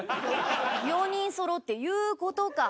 ４人そろって言う事か！